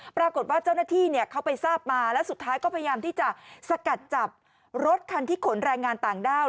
ปรากฏว่าเจ้าหน้าที่เขาไปทราบมาแล้วสุดท้ายก็พยายามที่จะสกัดจับรถคันที่ขนแรงงานต่างด้าว